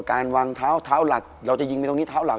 การวางเท้าเท้าหลักเราจะยิงไปตรงนี้เท้าหลัก